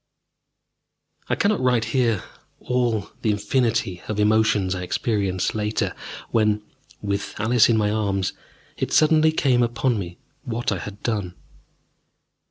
I cannot write here all the infinity of emotions I experienced later, when, with Alice in my arms, it suddenly came upon me what I had done.